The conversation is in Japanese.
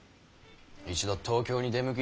一度東京に出向き